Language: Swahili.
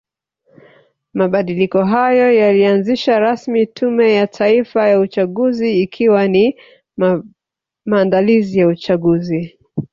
Mabadiliko hayo yalianzisha rasmi tume ya Taifa ya uchaguzi ikiwa ni maandalizi ya uchaguzi